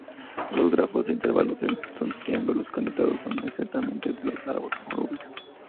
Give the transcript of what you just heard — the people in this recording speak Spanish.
Los grafos de intervalos sin triángulos conectados son exactamente los árbol orugas.